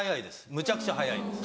むちゃくちゃ早いです。